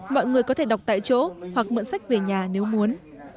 mọi người có thể đọc tại chỗ hoặc mượn sách về nhà nếu muốn